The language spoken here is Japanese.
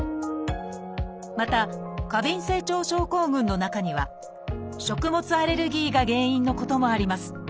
また過敏性腸症候群の中には食物アレルギーが原因のこともあります。